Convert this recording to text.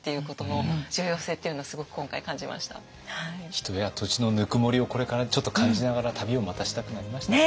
人や土地のぬくもりをこれからちょっと感じながら旅をまたしたくなりましたね。